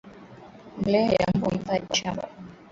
Mbolea ya mbwa haifai kwa shamba